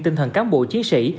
tinh thần cán bộ chiến sĩ